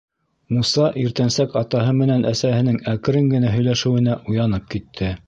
Муса иртәнсәк атаһы менән әсәһенең әкрен генә һөйләшеүенә уянып китте.